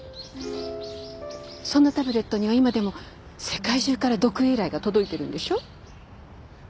そのタブレットには今でも世界中から読影依頼が届いてるんでしょ？